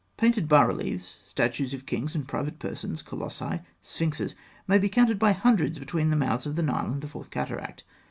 Painted bas reliefs, statues of kings and private persons, colossi, sphinxes, may be counted by hundreds between the mouths of the Nile and the fourth cataract.